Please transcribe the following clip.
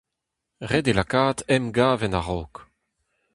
Ret eo lakaat emgav en a-raok.